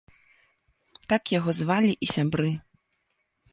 Так яго звалі і сябры.